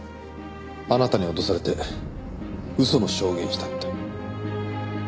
あなたに脅されて嘘の証言をしたって。